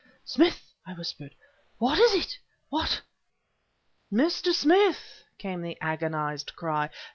"Smith!" I whispered "what is it? What..." "Mr. Smith!" came the agonized cry...